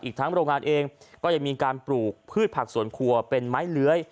ทั้งโรงงานเองก็ยังมีการปลูกพืชผักสวนครัวเป็นไม้เลื้อย